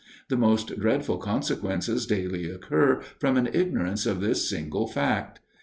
The most dreadful consequences daily occur from an ignorance of this single fact.